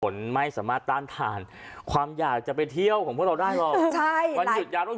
ผลไม่สามารถต้านทานความอยากจะไปเที่ยวของพวกเราได้หรอก